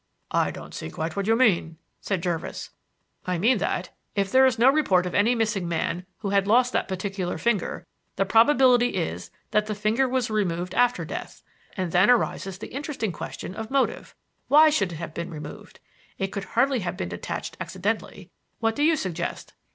"I don't see quite what you mean," said Jervis. "I mean that, if there is no report of any missing man who had lost that particular finger, the probability is that the finger was removed after death. And then arises the interesting question of motive. Why should it have been removed? It could hardly have become detached accidentally. What do you suggest?"